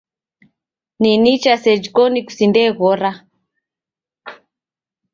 Ni nicha seji koni kusindeghora.